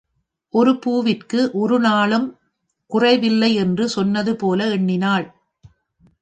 உன் பூவிற்கு ஒருநாளும் குறைவில்லை! என்று சொன்னது போல எண்ணினாள்.